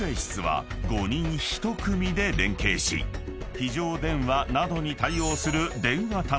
［非常電話などに対応する］